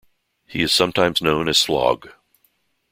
He is sometimes known as Slog.